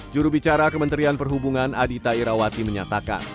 jurubicara kementerian perhubungan adita irawati menyatakan